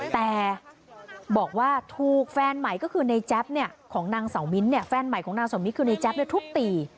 แต่บอกว่าถูกแฟนใหม่ก็คือในแจ๊บของนางเสามิ้นท์เนี่ยแฟนใหม่ของนางสมิตรคือในแจ๊บทุบตี